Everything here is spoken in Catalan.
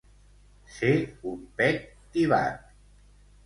Ser un pet tibat.